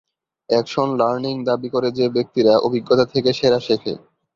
Action learning দাবি করে যে ব্যক্তিরা অভিজ্ঞতা থেকে সেরা শেখে।